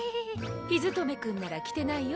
陽務君なら来てないよ。